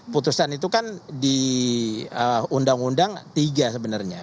putusan itu kan di undang undang tiga sebenarnya